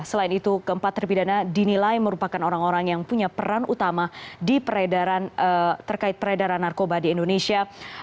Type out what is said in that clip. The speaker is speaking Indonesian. selain itu keempat terpidana dinilai merupakan orang orang yang punya peran utama terkait peredaran narkoba di indonesia